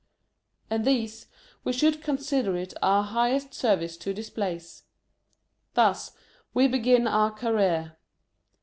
And these, we should consider it our highest service to displace. Thus, we begin our career